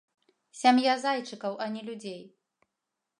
Сям'я зайчыкаў, а не людзей.